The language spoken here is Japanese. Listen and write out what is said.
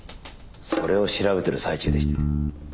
それを調べてる最中でして。